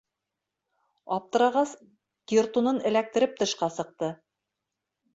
Аптырағас, тиртунын эләктереп тышҡа сыҡты.